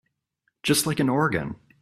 Just like an organ.